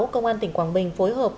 công an tỉnh quảng bình phối hợp